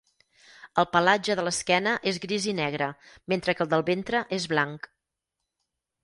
El pelatge de l'esquena és gris i negre, mentre que el del ventre és blanc.